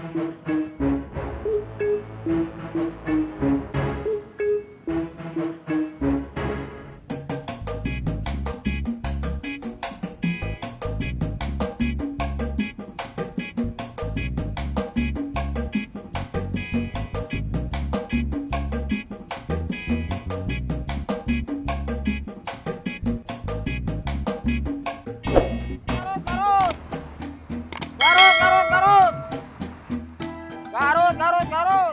gak harus gak harus